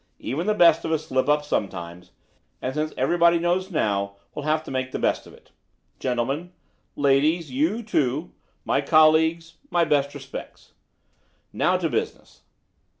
"Even the best of us slip up sometimes; and since everybody knows now, we'll have to make the best of it. Gentlemen, ladies, you, too, my colleagues, my best respects. Now to business."